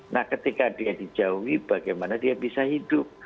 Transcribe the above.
nah ketika dia dijauhi bagaimana dia bisa hidup